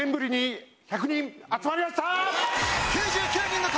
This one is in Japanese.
「９９人の壁」